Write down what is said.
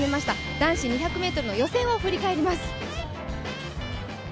男子２００ｍの予選を振り返ります。